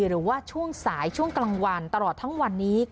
หรือว่าช่วงสายช่วงกลางวันตลอดทั้งวันนี้